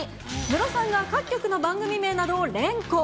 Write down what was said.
ムロさんが各局の番組名を連呼。